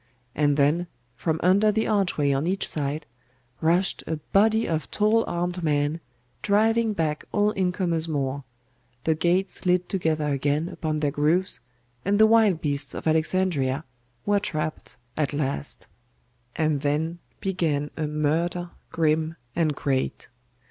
And then, from under the archway on each side, rushed a body of tall armed men, driving back all incomers more; the gates slid together again upon their grooves and the wild beasts of Alexandria were trapped at last. And then began a murder grim and great.